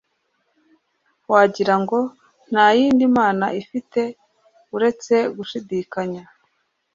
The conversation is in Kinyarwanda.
wagira ngo, nta yindi mana ifite uretse gushidikanya